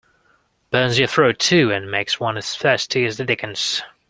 Burns your throat, too, and makes one as thirsty as the dickens.